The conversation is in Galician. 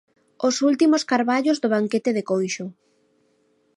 Os últimos carballos do banquete de Conxo.